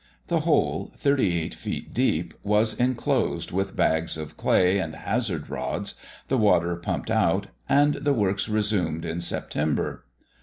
The hole, thirty eight feet deep, was closed with bags of clay and hazel rods, the water pumped out, and the works resumed in September.